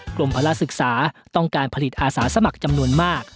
กรมภาระศึกษาต้องการผลิตอาสาสมัครจำนวนมาก